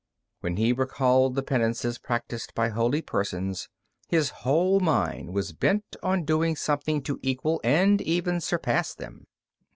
When he recalled the penances practised by holy persons, his whole mind was bent on doing something to equal and even surpass them.